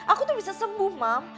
aku tuh bisa sembuh mam